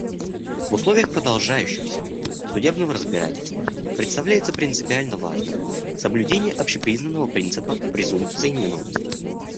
В условиях продолжающегося судебного разбирательства представляется принципиально важным соблюдение общепризнанного принципа презумпции невиновности.